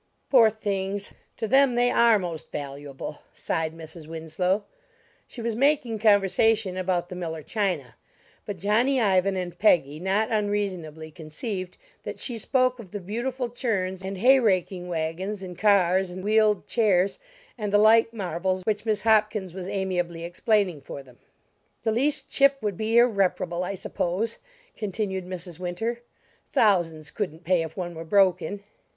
"Poor things, to them they are most valuable!" sighed Mrs. Winslow. She was making conversation about the Miller china; but Johnny Ivan and Peggy not unreasonably conceived that she spoke of the beautiful churns and hayraking wagons and cars and wheeled chairs and the like marvels which Miss Hopkins was amiably explaining for them. "The least chip would be irreparable, I suppose," continued Mrs. Winter, "thousands couldn't pay if one were broken!"